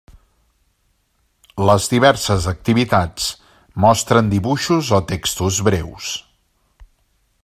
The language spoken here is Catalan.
Les diverses activitats mostren dibuixos o textos breus.